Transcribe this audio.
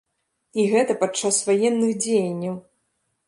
І гэта падчас ваенных дзеянняў!